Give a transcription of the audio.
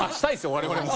我々も。